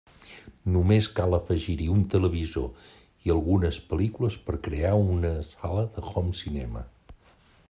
Només cal afegir-hi un televisor i algunes pel·lícules per crear una sala de home cinema.